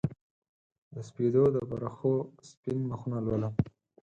د سپیدو د پرخو سپین مخونه لولم